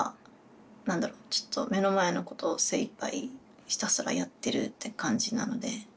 ちょっと目の前のことを精いっぱいひたすらやってるって感じなので。